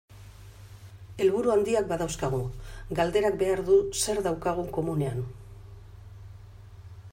Helburu handiak badauzkagu, galderak behar du zer daukagun komunean.